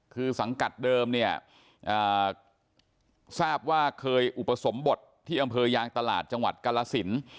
คือสังกัดเดิมเนี่ยทราบว่าเคยอุปสมบทที่อำเภอยางตลาดจังหวัดกรสิน